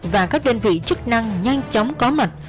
và các đơn vị chức năng nhanh chóng có mặt